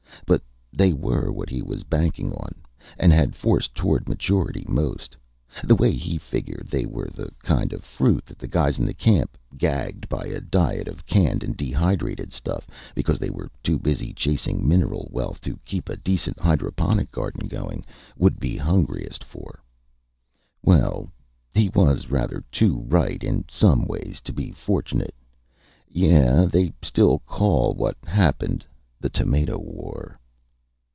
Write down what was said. But they were what he was banking on, and had forced toward maturity, most. The way he figured, they were the kind of fruit that the guys in the camp gagged by a diet of canned and dehydrated stuff, because they were too busy chasing mineral wealth to keep a decent hydroponic garden going would be hungriest for. Well he was rather too right, in some ways, to be fortunate. Yeah they still call what happened the Tomato War.